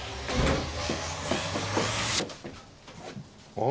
あ？